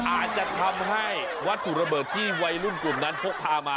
อาจจะทำให้วัตถุระเบิดที่วัยรุ่นกลุ่มนั้นพกพามา